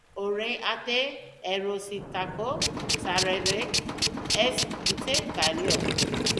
Orain arte erositako sarrerek ez dute balio.